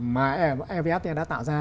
mà evfta đã tạo ra